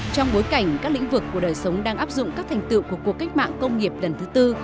trong bối cảnh các lĩnh vực của đời sống đang áp dụng các thành tựu của cuộc cách mạng công nghiệp lần thứ tư